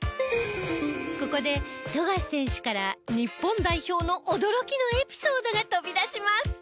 ここで富樫選手から日本代表の驚きのエピソードが飛び出します！